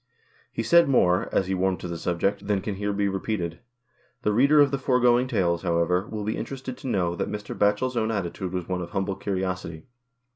He said more, as he warmed to the subject, than can here be repeated. The reader of the foregoing tales, however, will be interested to know that Mr. Batchel's own attitude was one of humble curiosity.